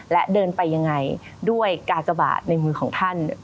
และเดินไปยังไงด้วยกากบาทในมือของท่าน